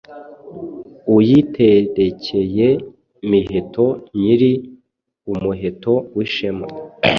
Uyiterekeye Miheto Nyiri umuheto w'ishema,